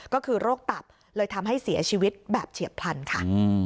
ก็คือโรคตับเลยทำให้เสียชีวิตแบบเฉียบพลันค่ะ